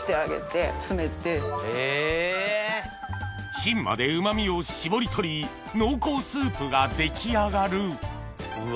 しんまでうま味を絞り取り濃厚スープが出来上がるうわ